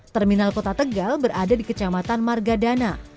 terminal kota tegal berada di kecamatan margadana